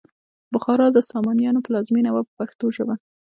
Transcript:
بخارا د سامانیانو پلازمینه وه په پښتو ژبه.